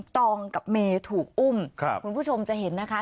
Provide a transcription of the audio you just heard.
ตองกับเมย์ถูกอุ้มคุณผู้ชมจะเห็นนะคะ